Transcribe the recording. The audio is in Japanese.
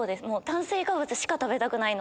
炭水化物しか食べたくない。